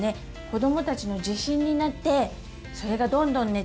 子どもたちの自信になってそれがどんどんね